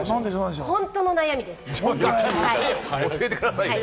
本当の悩みです。